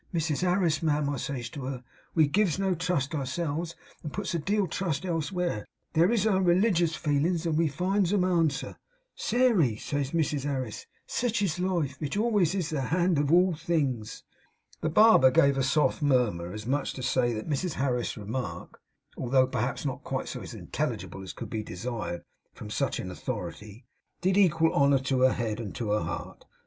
"Mrs Harris, ma'am," I says to her, "we gives no trust ourselves, and puts a deal o'trust elsevere; these is our religious feelins, and we finds 'em answer." "Sairey," says Mrs Harris, "sech is life. Vich likeways is the hend of all things!"' The barber gave a soft murmur, as much as to say that Mrs Harris's remark, though perhaps not quite so intelligible as could be desired from such an authority, did equal honour to her head and to her heart.